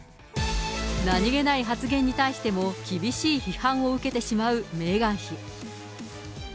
何気ない発言に対しても厳しい批判を受けてしまうメーガン妃。